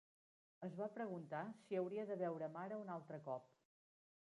Es va preguntar si hauria de veure Mara un altre cop.